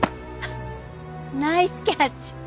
ナイスキャッチ。